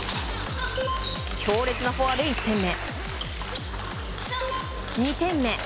強烈なフォアで１点目。